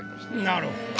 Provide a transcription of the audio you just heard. なるほど。